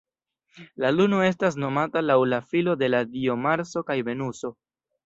La luno estas nomata laŭ la filo de la dioj Marso kaj Venuso.